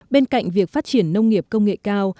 bên cạnh việc phát triển nông nghiệp công nghệ cao